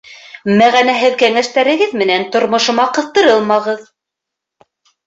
— Мәғәнәһеҙ кәңәштәрегеҙ менән тормошома ҡыҫтырылмағыҙ!..